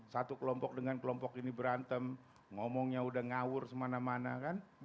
satu kelompok dengan kelompok ini berantem ngomongnya udah ngawur semana mana kan